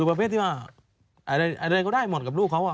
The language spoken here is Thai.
อะไรก็ได้เหมาะกับลูกเขา